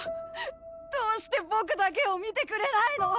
どうしてボクだけを見てくれないの？